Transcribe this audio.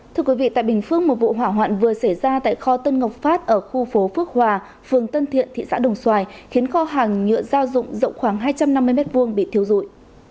thưa quý vị tại bình phước một vụ hỏa hoạn vừa xảy ra tại kho tân ngọc phát ở khu phố phước hòa phường tân thiện thị xã đồng xoài khiến kho hàng nhựa gia dụng rộng khoảng hai trăm năm mươi m hai bị thiêu rụi